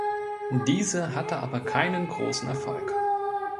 Diese hatte aber keinen großen Erfolg.